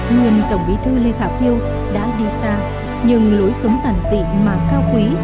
nguyên tổng bí thư lê khả phiêu đã đi xa nhưng lối sống giản dị mà cao quý